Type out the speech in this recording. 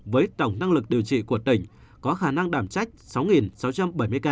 với tổng năng lực điều trị của tỉnh có khả năng đảm trách sáu sáu trăm bảy mươi ca